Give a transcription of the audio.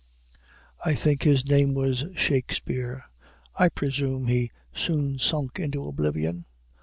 I think his name was Shakspeare. I presume he soon sunk into oblivion."